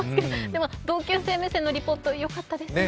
でも同級生目線のリポート、よかったですね。